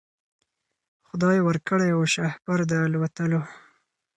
خدای ورکړی وو شهپر د الوتلو